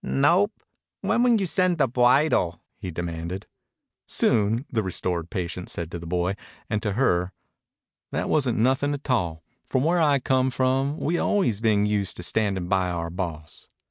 "Nope. When will you send the bwidle?" he demanded. "Soon," the restored patient said to the boy, and to her: "That wasn't nothin' a tall. From where I come from we always been use to standin' by our boss."